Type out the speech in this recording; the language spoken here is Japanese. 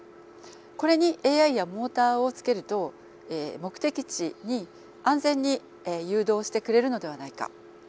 これにＡＩやモーターをつけると目的地に安全に誘導してくれるのではないか。